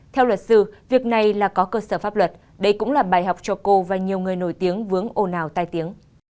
theo luật sư việc này là có cơ sở pháp luật đây cũng là bài học cho cô và nhiều người nổi tiếng vướng ồn ào tai tiếng